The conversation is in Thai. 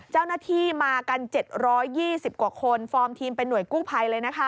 เจ้าหน้าที่มากัน๗๒๐กว่าคนฟอร์มทีมเป็นห่วยกู้ภัยเลยนะคะ